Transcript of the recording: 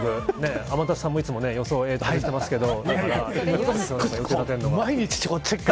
天達さんいつも外してますけど。